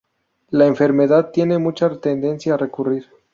La enfermedad tiene mucha tendencia a recurrir.